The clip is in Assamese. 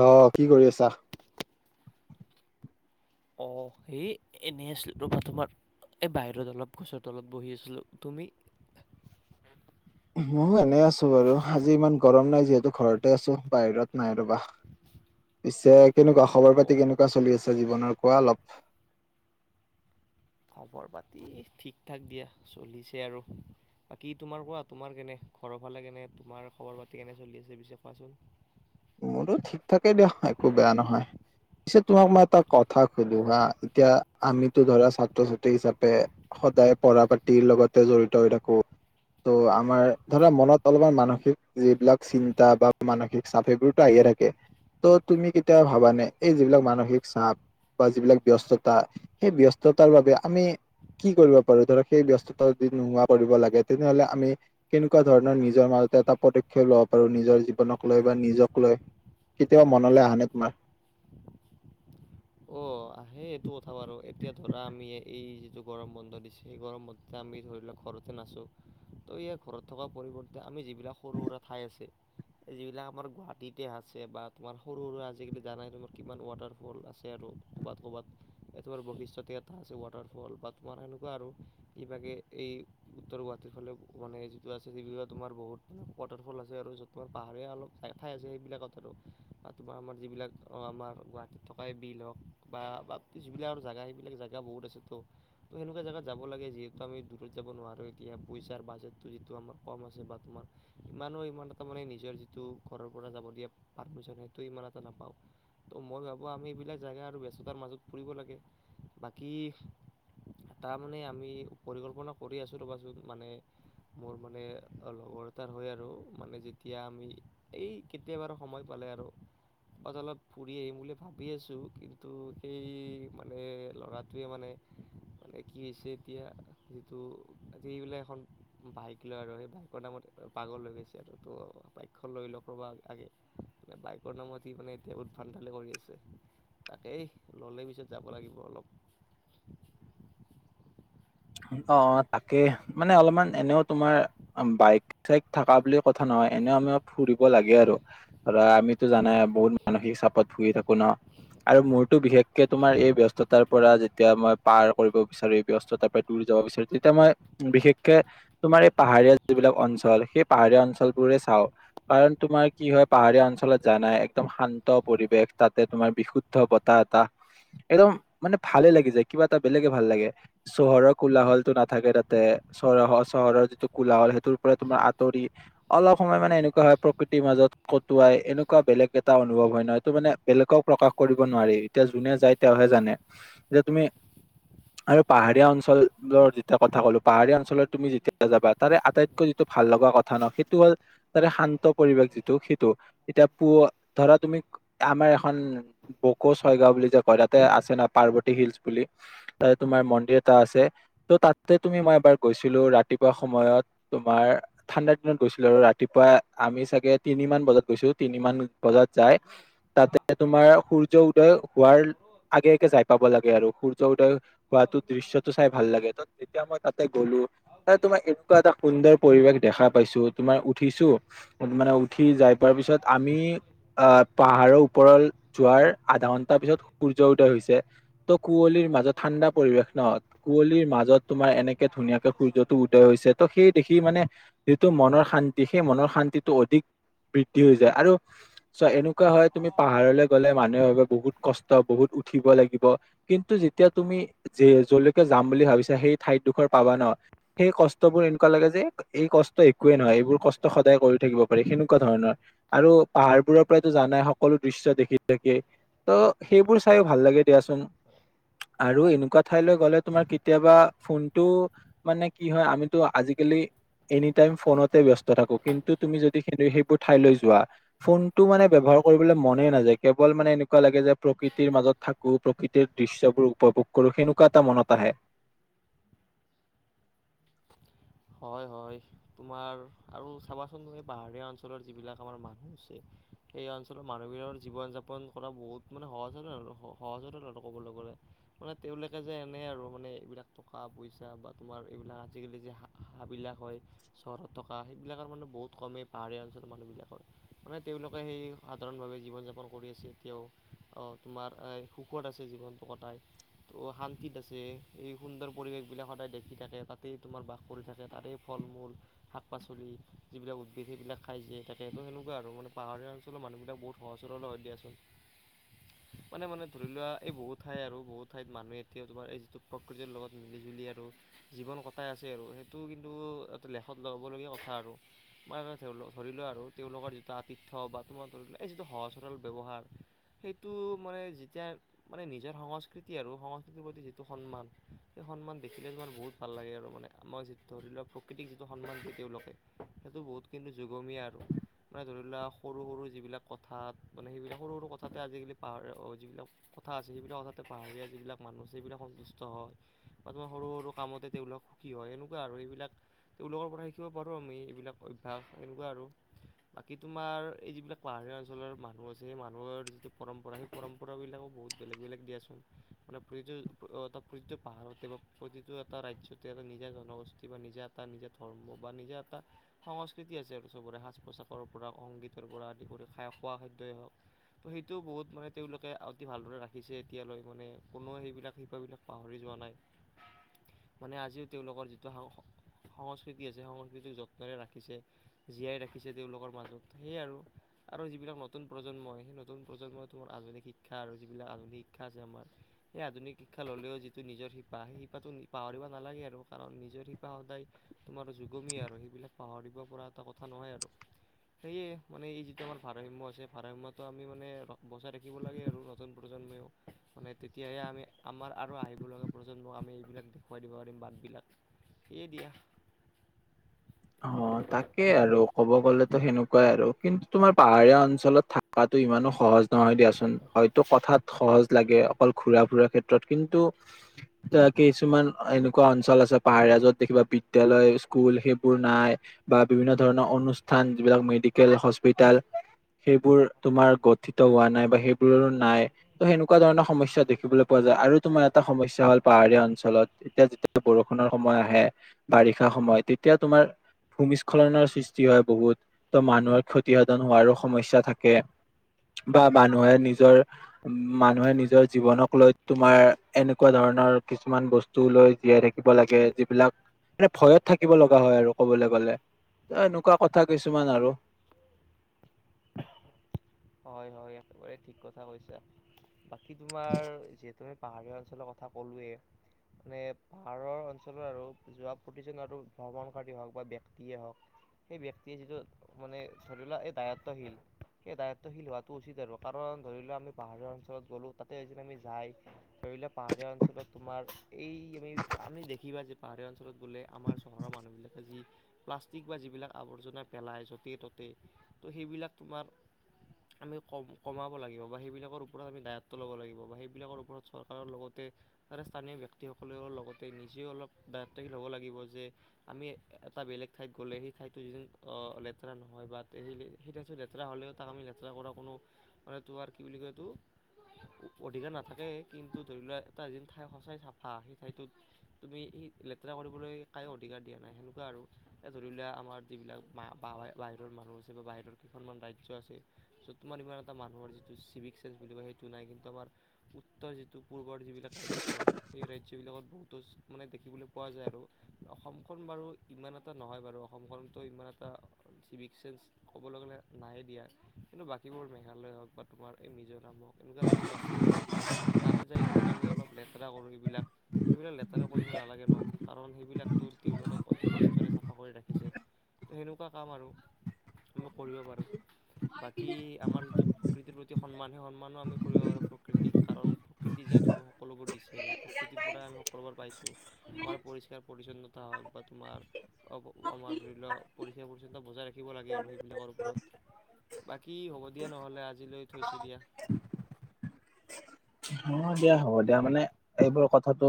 আহ কি কৰি আছা? অ সেই এনে আছিলো ৰবা তোমাৰ এই বাহিৰত অলপ গছৰ তলত বহি আছিলোঁ তুমি ময়ো এনে আছো বাৰু আজি ইমান গৰম নাই যিহেতু ঘৰতে আছো বাহিৰত নাই ৰবা পিছে কেনেকুৱা খবৰ অ পাতি কেনেকুৱা চলি আছে জীৱনৰ কোৱা অলপ ঘৰ পাতি ঠিক ঠাক দিয়া চলিছে আৰু বাকী তোমাৰ কোৱা তোমাৰ কেনে ঘৰৰ ফালে কেনে তোমাৰ খবৰ পাতি কেনে চলি আছে পিছে কোৱাচোন মোৰো ঠিক থাকেই দিয়া হয় একো বেয়া নহয় পিছে তোমাক মই এটা কথা সুধো হা এতিয়া আমিতো ধৰা ছাত্ৰ ছাত্ৰী হিচাপে সদায় পঢ়া পাতিৰ লগতে জড়িত হৈ থাকো ত' আমাৰ ধৰা মনত অলপমান মানসিক যিবিলাক চিন্তা বা মানসিক চাপ এইবোৰ আহিয়ে থাকে ত' তুমি কেতিয়াবা ভাবানে এই যিবিলাক মানসিক চাপ বা যিবিলাক ব্যস্ততা সেই ব্যস্ততাৰ বাবে আমি কি কৰিব পাৰো ধৰক সেই ব্যস্ততা যদি নোহোৱা কৰিব লাগে তেনেহলে আমি কেনেকুৱা ধৰণৰ নিজৰ ম এটা পদক্ষেপ ল'ব পাৰো নিজৰ জীৱনক লৈ বা নিজক লৈ কেতিয়াও মনলৈ আনে তোমাৰ অ আহে এইটো কথা বাৰু এতিয়া ধৰা আমি এই গৰম বন্ধ দিছে সেই গৰম বন্ধতে আমি ধৰি লওক ঘৰতে নাচোঁ ত' ইয় ঘৰত থকা পৰিৱৰ্তে আমি যিবিলাক সৰু সুৰা ঠাই আছে যিবিলাক আমাৰ গুৱাহাটীতে আছে বা তোমাৰ সৰু সুৰা আজিকালি জানাই তোমাৰ কিমান ৱাটাৰফল আছে আৰু ক'বাত -ক'বাত এইতোমাৰ বৈশিষ্ট্যতেএটা আছে ৱাটাৰফল বা তোমাৰ এনেকুৱা আৰু ইবাকে এই কি উত্তৰ গুৱাহাটীৰ ফালে মানে যিটো আছে [unintelligible] বহুত ৱাটাৰফল আছে আৰু যত তোমাৰ পাহাৰীয়া অলপ ঠাই আছে সেইবিলাকত আৰু তোমাৰ আমাৰ যিবিলাক আমাৰ গুৱাহাটীত থকাই বিল হওক। বা ব যিবিলাক আৰু জেগা সেইবিলাক জেগা বহুত আছে ত' ত সেনেকুৱা জেগাত যাব লাগে যিহেতু আমি দূৰত য। এতিয়া পইচা বাজ যিটো আমাৰ কম আছে বা তোমাৰ ইমানো ইমান এটা মানে নিজৰ যিটো। ঘৰৰ পৰা যাব দিয় পাৰি সেইটো ইমান এটা নাপাও ত মই ভাবো আমি এইবিলাক জাগা আৰু। চোতাৰ মাজত ফুৰিব লাগে বাকী' তাৰ মানে আমি পৰিকল্পনা কৰি আছো ৰ'বাচোন মানে। মোৰ মানে লগৰ এটাৰ হয় আৰু মানে যেতিয়া আমি এই কেতিয়াবা সময় পালো। আৰু অতলত ফুৰি আহিম বুলি ভাবি আছো কিন্তু [inaudible] তো সেই মানে ল'ৰাটোৱে মানে। মানে কি হৈছে, এতিয়া যিটো আজিবিলাক এখন বাইক লয় আৰু সেই বাইকৰ নামত। পাগল হৈ গৈছে আৰুতো বাইকখন লৈ নকবা আৰু। বাইকৰ নামত সি মানে এতিয়া বহুত ভণ্ডালে কৰি আছে। তাকেই ল'লে পিছত যাব লাগিব অলপ। অ অ, তাকে মানে অলপমান এনেও তোমাৰ বাইক চাইক থকা বুলি কথা ন। এনেও আমি ফুৰিব লাগে আৰু, ধৰা আমিতো জানাই বহুত মানসিক চাপত ফুৰি থাকো ন। আৰু মোৰতো বিশেষকে তোমাৰ এই ব্যস্ততাৰ পৰা যেতিয়া মই পাৰ কৰিব বিচাৰো এই ব্যস্ততাৰ দ যাব বিচাৰো তেতিয়া মই বিশেষকে তোমাৰ এই পাহাৰীয়া যিবিলাক অঞ্চল সেই পাহাৰীয়া অঞ্চল বোৰে চাও। কাৰণ তোমাৰ কি হয় পাহাৰীয়া অঞ্চলত যানাই একদম শান্ত পৰিবেশ তাতে তোমাৰ বিশুদ্ধ বতাহ এটা একদম মানে ভালে লাগি যায় কিবা এটা বেলেগে ভাল লাগে। চহৰৰ কোলা হল টো নাথাকে তাতে চহৰৰ- চহৰৰ যিটো কোলা হল সেইটোৰ পৰা তোমাৰ আতৰি অলপ সময় মানে এনেকুৱা হয় প্ৰকৃতিৰ মাজত কটুৱাই এনেকুৱা বেলেগ এটা অনুভৱ হয় নহয় এটো মানে বেলেগ প্ৰকাশ কৰিব নোৱাৰি, এতিয়া যোনে যায় তেওঁহে জানে যে তুমি আৰু। পাহাৰীয়া অঞ্চলৰ যেতিয়া কথা ক'লোঁ পাহাৰীয়া অঞ্চলত তুমি যেতিয়া যাবা তাৰে আটাইতকৈ যিটো ভাল লগা কথা। সেইটো হল তাৰে শান্ত পৰিৱেশ যিটো সেইটো এতিয়া প ধৰা তুমি আমাৰ। বুলি এখন বকো ছয়গা বুলি যে কয় তাতে আছে ন পাৰ্বতী শিলছ বুলি তোমাৰ ম। মন্দিৰ এটা আছে, টো তাতে তুমি মই এবাৰ গৈছিলো ৰাতিপুৱাৰ সময়ত তোমাৰ ঠাণ্ডা। গৈছিলো আৰু ৰাতিপুৱা আমি চাগে, তিনি মান বজাত গৈছো তিনি মান বজাত যাই। তাতে তোমাৰ সূৰ্য উদয় হোৱাৰ। আগেগে যাই পাব লাগে আৰু সূৰ্য উদয় হোৱাতো। দৃশ্যটো চাই ভাল লাগে, ত তেতিয়া মই তাতে গ'লো ত তোমাৰ এনেকুৱা এটা সুন্দৰ পৰিৱেশ,। দেখা পাইছো তোমাৰ উঠিছো মানে উঠি যাই পোৱাৰ পিছত আমি আহ পাহাৰ। আৰু ওপৰল যোৱাৰ আধা ঘন্টাৰ পিছত সূৰ্য উদয় হৈছে, ত' কুঁৱলিৰ মাজত ঠাণ্ডা পৰিৱেশ। ন কুঁৱলিৰ মাজত তোমাৰ এনেকে ধুনীয়াকে সূৰ্যটো উদয় হৈছে ত সেই দেখি মানে যিটো। মনৰ শান্তি, সেই মনৰ শান্তিটো অধিক বৃদ্ধি হৈ যায় আৰু চ এনেকুৱা হয়। তুমি পাহাৰলৈ গলে মানুহে ভাবিব বহুত কষ্ট বহুত উঠিব লাগিব কিন্তু যেতিয়া তুমি। যিয় যলৈকে যাম বুলি ভাবিছা সেই ঠাইডোখৰ পাবা ন সেই কষ্ট বোৰ এনেকুৱা লাগে যে এই কষ্ট। একোৱে নহয়, এইবোৰ কষ্ট সদায় কৰি থাকিব পাৰি সেনেকুৱা ধৰণৰ আৰু পাহাৰবোৰৰ পৰাইতো জানাই সকলো। দৃশ্য দেখি থাকে ত' সেইবোৰ চাইও ভাল লাগে দিয়াচোন, আৰু এনেকুৱা। উঠাইলৈ গ'লে তোমাৰ কেতিয়াবা ফোনটো মানে কি হয় আমিতো আজিকালি। এনিটাইম ফোনতে ব্যস্ত থাকো কিন্তু তুমি যদি সেইবোৰ ঠাই যোৱা ফোনটো মানে। কৰিবলৈ মনেই নাযায় কেৱল মানে এনেকুৱা লাগে যে। প্ৰকৃতিৰ মাজত থাকো প্ৰকৃতিৰ দৃশ্যবোৰ উপভোগ কৰো সেন। এটা মনত আহে। হয় হয়, তোমাৰ আৰু চাবাচোন এই পাহাৰীয়া অঞ্চলৰ যিবিলাক আমাৰ মানুহ আছে। এই অঞ্চলৰ মানুহবিলাকৰ জীৱন যাপন কৰা বহুত মানে সহজলে সহজতে ক'বলৈ গ'লে। মানে তেওঁলোকে যে এনেই আৰু মানে এইবিলাক টকা পইচা বা তোমাৰ এইবিলাক আজিকালি যে। হাঁহবিলাক হয়, চহৰত থকা সেইবিলাকৰ মানে বহুত কমেই পাহাৰীয়া অঞ্চলৰ মানুহবিলাকৰ মানে। তেওঁলোকে সেই সাধাৰণভাৱে জীৱন যাপন কৰি আছে এতিয়াও। অ'তোমাৰ এ সুখত আছে জীৱনটো কটাই। ত শান্তিত আছে এই সুন্দৰ পৰিৱেশ বিলাক সদায় দেখি থাকে তাতে তোমাৰ কৰি থাকে তাতেই ফল মূল শাক পাচলি যিবিলাক উদ্ভিদ সেইবিলাক খাই জীয়াই থাকে তো সেনেকুৱা আৰু মানে, পাহাৰীয়া অঞ্চলৰ মানুহবিলাক বহুত সহজ সৰল হয় দিয়াচোন। [inaudible] মানে মানে ধৰি লোৱা এই বহু ঠাই আৰু বহু ঠাইত মানুহ এতিয়া তোমাৰ এই যিটো প্ৰকৃতিৰ লগত মিলি জুলি আৰু জীৱন কটাই আছে আৰু সেইটো কিন্তু এটা লেখত লগাবলগীয়া কথা আৰু মে ধৰি লোৱা আৰু তেওঁলোকৰ আতিথ্য বা তোমাৰ ধৰি এইটো যিটো সহজ সৰল ব্যৱহাৰ সেইটো মানে যেতিয়া মানে নিজৰ সংস্কৃতি আৰু সংস্কৃতিৰ প্ৰতি যিটো সন্মান সখনমান দেখিলে যিমান বহুত ভাল লাগে আৰু মানে আমাৰ যি ধৰি লোৱাক প্ৰকৃতিক যিটো সন্মান দিয় তেওঁলোকে সেইটো বহুত কিন্তু যুগমীয়া আৰু মানে ধৰিলা সৰু সৰু যিবিলাক কথাত মানে সেইবিলাক সৰু সৰু কথাতে আজিকালি পাহ যিবিলাক কথা আছিল সবিলাক কথাতে পাহাৰীয়া যিবিলাক মানুহ আছে সেইবিলাক সন্তুষ্ট হয় বা তোমাৰ সৰু সৰু কামতে তেওঁলোক কি হয় এনেকুৱা আৰু এইবিলাক তেওঁলোকৰ পৰা শিকিব পাৰোঁ আমি এইবিলাক অভ্যাস এনেকুৱা আৰু বাকী তোমাৰ এই যিবিলাক পাহাৰীয়া অঞ্চলৰ মানুহ আছে সেই মানুহৰ যিটো পৰম্পৰা সেই পৰম্পৰা বিলাকক। বহুত বেলেগ বেলেগ দিয়াচোন মানে প্ৰতিটো প্ৰতিটো পাহাৰতে বা প্ৰতিটো এটা ৰাজ্যতে। এটা নিজা জনগোষ্ঠী বা, নিজা এটা নিজা ধৰ্ম বা নিজা এটা সংস্কৃতি আছে আৰু চবৰে সাজ পোচাকৰ। সংগীতৰ পৰা আদি কৰি খাই খোৱা খাদ্যই হওক। ত, সেইটোও বহুত মানে তেওঁলোকে অতি ভালদৰে ৰাখিছে এতিয়ালৈ মানে কোননে সেইবিলাক শিপাবলাক পাহৰি যোৱা। ম নাই [unintelligible] [unintelligible] মানে আজিও তেওঁলোকৰ যিটো সস সংস্কৃতি আছে সংস্কৃতিক যত্নৰে ৰাখিছে জীয়াই ৰাখিছে তেওঁলোকৰ মাজত সেয়য়া আৰু আৰু যিবিলাক নতুন প্ৰজন্মই সেই নতুন প্ৰজন্মই তোমাৰ আধুনিক শিক্ষা আৰু যিবিলাক আধুনিক শিক্ষা আছে আমাৰ এই আধুনিক শিক্ষা ল'লেও যিটো নিজৰ শিপা সেই শিপাটো পাহৰিব নালাগে আৰু কাৰণ নিজৰ শিপা সদায় তোমাৰ যুগমিয়া আৰু সেইবিলাক পাহৰিব পৰা এটা কথা ন নহয় আৰু সেয়ে মানে এই যিটো আমাৰ ভাৰসাম্য আছে ভাৰসাম্যটো আমি মানে বচাই ৰাখিব লাগে আৰু নতুন প্ৰ মানে তেতিয়াহে আমি আমাৰ আৰু আহিব লগীয়া প্ৰজন্ম আমি এইবিলাক খুৱাই দিব পাৰিম বাটবিলাক সেয়ে দিয়া অ তাকেই আৰু ক'ব গ'লেতো সেনেকুৱাই আৰু কিন্তু তোমাৰ পাহাৰীয়া অঞ্চলত থকা ইমানো সহজ নহয় দিয়াচোন হয়তো কথাত সহজ লাগে অকল ঘুৰা ফুৰা ক্ষেত্ৰত কিন্তু এ কিছুমান এনেকুৱা অঞ্চল আছে পাহাৰীয়া যত দেখিবা বিদ্যালয়ৰ স্কুল সেইবোৰ নাই বা বিভিন্ন ধৰণৰ অনুষ্ঠান যিবিলাক মেডিকেল হস্পিতেল সেইবোৰ তোমাৰ গঠিত হোৱা নাই বা সেইবোৰৰো নাই ত সেনেকুৱা ধৰণৰ সমস্যাৰ দেখিবলৈ পোৱা যায় আৰু তোমাৰ এটা সমস্যাই হ'ল পাহাৰীয়া অঞ্চলত এতিয়া যেতিয়া বৰষুণৰ সময় আহে বাৰিষা সময় তেতিয়া তোমাৰ ভূমিস্খলনৰ সৃষ্টি হয় বহুত ত' মানুহৰ ক্ষতিসাধন হোৱাৰো সমস্যা থাকে বা মানুহে নিজৰ মানুহে নিজৰ জীৱনক লৈ তোমাৰ এনেকুৱা ধৰণৰ কিছুমান বস্তু লৈ জীয়াই থাকিব লাগে যিবিলাক মানে ভয়ত থাকিব। থাকিব লগা হয় আৰু ক'বলৈ গ'লে এনেকুৱা কথা কিছুমান আৰু [unintelligible] হয় হয় একেবাৰে ঠিক কথা কৈছা বাকী তোমাৰ যি পাহাৰীয়া অঞ্চলৰ কথা ক'লোৱয়ে মানে পাহাৰৰ অঞ্চলৰ আৰু যোৱা প্ৰতিজন আৰু ভ্ৰমণকাৰীয়ে হওক বা দেশ ব্যক্তিয়ে হওক সেই ব্যক্তিয়ে যিটো মানে ধৰি লোৱা এই দায়ত্বশীল সেই দায়িত্ব হোৱাটো উচিত আৰু কাৰণ ধৰি ল আমি পাহাৰীয়াৰ অঞ্চলত গ'লো তাতে এ আমি যায় ধৰি লও পাহাৰ পাহাৰীয়া অঞ্চলত তোমাৰ এই আমি আমি দেখিবা যে পাহাৰীয়া অঞ্চলত বোলে আমাৰ চহৰৰ মানুহবলাকে যি প্লাষ্টিক বা যিবিলাক আৱৰ্জনা পেলাই য'তে ত'তে ত' সেইবিলাক তোমাৰ উ আমি কম কমাব লাগিব বা সেইবিলাকৰ ওপৰত আমি দায়িত্ব ল'ব লাগিব বা সেইবিলাকৰ ওপৰত চৰকাৰৰ লগতে ত স্থানীয় ব্যক্তি সকলৰ লগতে নিজেও অলপ দায়িত্বশীল হব লাগিব যে আমি এটা বেলেগ ঠাইত গ'লে সেই ঠাইতো যিন লেতেৰা নহয় বা স সেই ন লেতেৰা হ'লেও তাক আমি লেতেৰা কৰা কোনো মানে তোৰ আৰু কি বুলি কয় এটো অধিকাৰ নাথাকে কিন্তু ধৰি লোৱা এটা য ঠাই সঁচাই চাফা সেই ঠাইটোত তুমি লেতেৰা কৰিবলৈ কাইয়ো অধিকাৰ দিয়া নাই সেনেকোৱা আৰু ধৰি ল আমাৰ যিবিলাক বাহিৰত মানহ আ বা বাহিৰৰ কিছুমান ৰাজ্য। আছে চ' তোমাৰ ইমান এটা মানুহৰ যিটো চিভিক চেন্স বুলি কয় সেইটো নাই কিন্তু আমাৰ উত্তৰ যিটো পূৰ্বৰ যিবিলাক ৰাজ্য এই ৰাজ্য সেইবিলাকত বহুতো মানে দেখিবলৈ পোৱা যায় আৰু অসমখন বাৰু ইমান এটা নহয় বাৰু অসমখন তো ইমান এটা চিভিক চেন্স ক'বলৈ গ'লে নাহে দিয়া কিন্তু বাকীবোৰ মেঘালয়ে হওক বা তোমাৰ এই নিজৰ ক এনেকোৱা ৰাজ্যত আছে তাতে যায় যেন আমি অলপ লেতেৰা কৰো এইবিলাক সেইবিলাক লেতেৰা কৰিব নালাগে ন কাৰণ সেইবিলাক তেওঁলোকে অতি কষ্টৰে চাফা কৰি ৰাখিছে ত সেনেকুৱা কাম আৰু। আমি কৰিব পাৰোঁ। বাকী আমাৰ যিটো। প্ৰকৃতিৰ প্ৰতি সন্মান সেই সন্মানো আমি কৰিব পাৰোঁ প্ৰকৃতিক কাৰণ প্ৰকৃতি যিহেতু আমি সকলোবোৰ দিছে বা প্ৰকৃতি। পৰা আমি সকলোবাৰ পাইছো আমাৰ পৰিষ্কাৰ পৰিছন্নতা হওক বা তোমাৰ আমাৰ। ল্য পৰিষ্কাৰ পৰি্ছন্নতা বজাই ৰাখিব লাগে আৰু সেইবিলাকৰ ওপৰত। বাকী হ'ব দিয়া নহ'লে আজিলৈ থৈছো দিয়া। অ দিয়া হ'ব দিয়া মানে, এইবোৰ কথাটো